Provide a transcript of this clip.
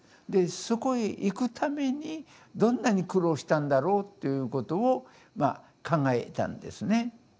でそこへ行くためにどんなに苦労したんだろうということをまあ考えたんですね。